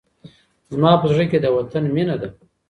زما په زړه کي د وطن مينه ده.